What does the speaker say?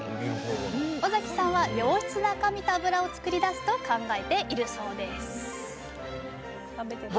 尾崎さんは良質な赤身と脂をつくりだすと考えているそうです